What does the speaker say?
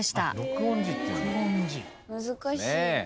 難しい。